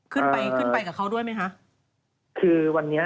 ขึ้นไปกับเขาด้วยไหมคะ